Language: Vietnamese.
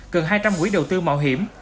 gần hai trăm linh quỹ đầu tư mạo hiểm